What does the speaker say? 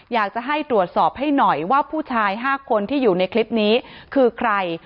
อยากจะให้ตรวจสอบให้หน่อยว่าผู้ชาย๕คนที่อยู่ในคลิปนี้คือใคร